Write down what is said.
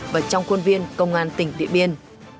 và trong khuôn viên công an tỉnh điện biên